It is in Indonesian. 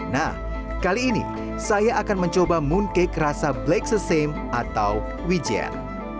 nah kali ini saya akan mencoba mooncake rasa black sesam atau wijen